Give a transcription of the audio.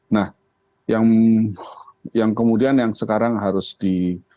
nah yang kemudian yang sekarang harus di